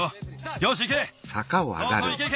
よしいけ！